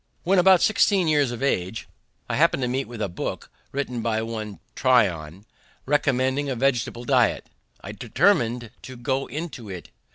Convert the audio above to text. When about 16 years of age I happened to meet with a book, written by one Tryon, recommending a vegetable diet. I determined to go into it.